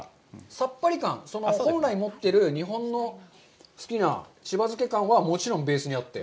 さっぱり感、本来持っている日本の好きなしば漬け感はもちろんベースにあって。